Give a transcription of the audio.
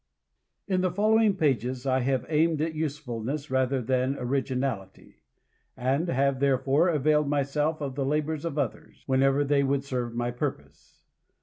In the following pages I have aimed at usefulness rather than origi nality, and have therefore availed myself of the labors of others, when ever they would serve my purpose.